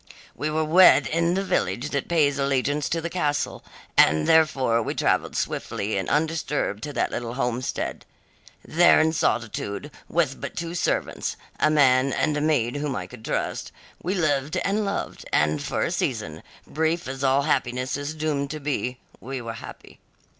"We were wed in the village that pays allegiance to the castle, and thereafter we travelled swiftly and undisturbed to that little homestead. There in solitude, with but two servants a man and a maid whom I could trust we lived and loved, and for a season, brief as all happiness is doomed to be, we were happy.